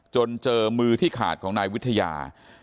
จนเจอมือที่ขาดของนายวิทยา